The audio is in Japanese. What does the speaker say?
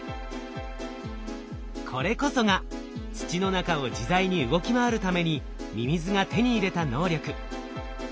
これこそが土の中を自在に動き回るためにミミズが手に入れた能力。